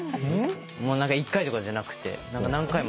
１回とかじゃなくて何回もあって。